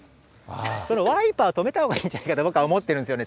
そのワイパー、止めたほうがいいんじゃないかと、僕は思ってるんですよね。